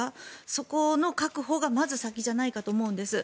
そこの確保がまず先じゃないかと思うんです。